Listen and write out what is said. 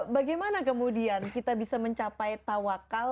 bagaimana kemudian kita bisa mencapai tawakal